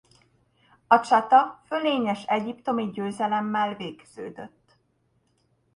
A csata fölényes egyiptomi győzelemmel végződött.